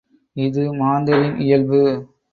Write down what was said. இது மாந்தரின் இயல்பு!